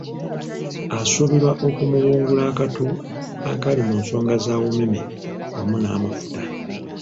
Asuubirwa okumulungula akattu akali mu nsonga za UMEME wamu n’amafuta.